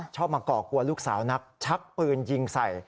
มาก่อกลัวลูกสาวนักชักปืนยิงใส่